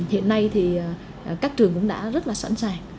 hiện nay thì các trường cũng đã rất là sẵn sàng